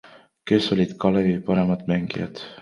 Kes olid Kalevi paremad mängijad?